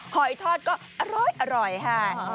หอยทอดก็อร้อยคิดค่ะ